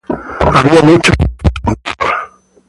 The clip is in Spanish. Había muchos elfos sentados.